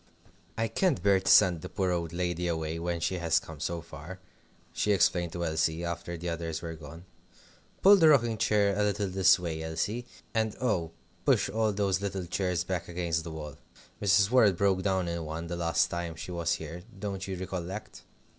"I can't bear to send the poor old lady away when she has come so far," she explained to Elsie, after the others were gone. "Pull the rocking chair a little this way, Elsie. And oh! push all those little chairs back against the wall. Mrs. Worrett broke down in one the last time she was here don't you recollect?"